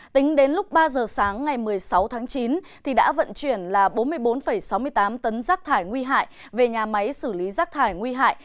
tính đến lúc ba giờ sáng ngày một mươi sáu tháng chín đã vận chuyển là bốn mươi bốn sáu mươi tám tấn rác thải nguy hại về nhà máy xử lý rác thải nguy hại